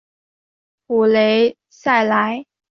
普雷赛莱。